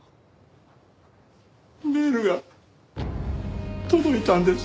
メールが届いたんです。